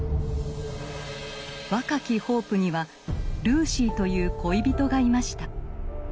若きホープにはルーシーという恋人がいました。